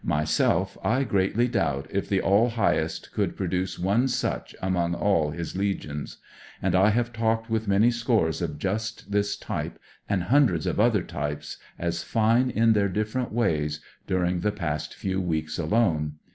Myself, I greatly doubt if the AU Highest could produce one such among all his legions. And I have talked with many scores of just this type, and hundreds of other types as fine in theur different ways, during the past few weeks alone.